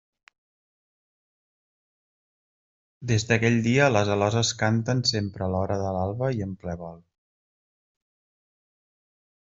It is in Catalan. »Des d'aquell dia les aloses canten sempre a l'hora de l'alba i en ple vol.